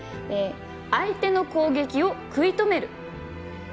「相手の攻撃を食い止める」